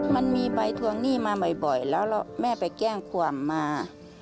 มันมีใบทวงหนี้มาบ่อยแล้วแม่ไปแจ้งความมา